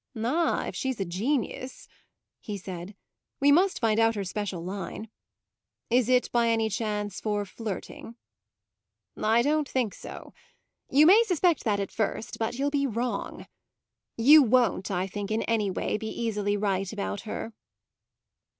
"Ah, if she's a genius," he said, "we must find out her special line. Is it by chance for flirting?" "I don't think so. You may suspect that at first, but you'll be wrong. You won't, I think, in any way, be easily right about her."